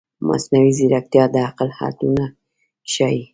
مصنوعي ځیرکتیا د عقل حدونه ښيي.